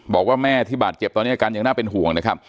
บอกว่าแม่ที่บาดเจ็บตอนนี้อาการยังน่าเป็นห่วงนะครับ